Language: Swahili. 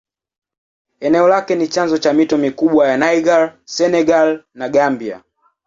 Eneo lake ni chanzo ya mito mikubwa ya Niger, Senegal na Gambia.